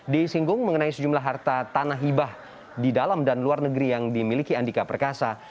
disinggung mengenai sejumlah harta tanah hibah di dalam dan luar negeri yang dimiliki andika perkasa